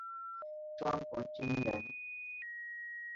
庄国钧人。